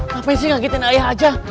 ngapain sih ngagitin ayah aja